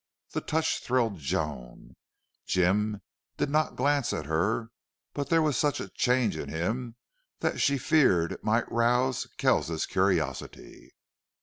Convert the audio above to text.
The touch thrilled Joan. Jim did not glance at her, but there was such a change in him that she feared it might rouse Kells's curiosity.